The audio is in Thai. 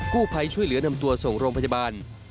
ผู้ภัยช่วยเหลือนำตัวส่งโรงพยาบาล